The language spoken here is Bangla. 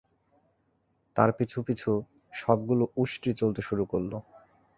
তার পিছু পিছু সবগুলো উষ্ট্রী চলতে শুরু করল।